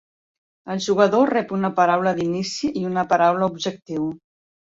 El jugador rep una paraula d'inici i una paraula objectiu.